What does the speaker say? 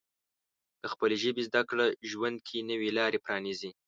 د خپلې ژبې زده کړه ژوند کې نوې لارې پرانیزي.